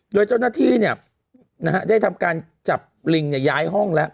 โดยเจ้าหน้าที่ได้ทำการจับลิงย้ายห้องแล้ว